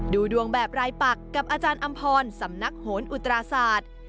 ดูดวงแบบรายปักกับอาจารย์อำพรสำนักโหนอุตราศาสตร์